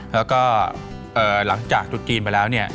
แล้วก็หลังจากจุดจีนไปแล้วเนี่ย